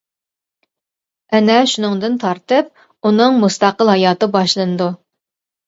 ئەنە شۇنىڭدىن تارتىپ ئۇنىڭ مۇستەقىل ھاياتى باشلىنىدۇ.